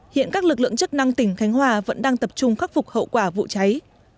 hiện các lực lượng chức năng tỉnh khánh hòa vẫn đang tập trung khắc phục hậu quả vụ cháy